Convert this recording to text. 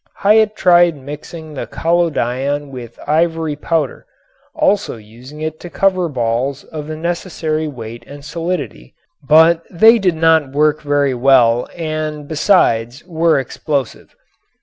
Hyatt tried mixing the collodion with ivory powder, also using it to cover balls of the necessary weight and solidity, but they did not work very well and besides were explosive.